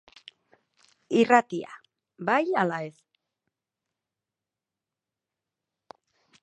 Irratia, bai ala ez?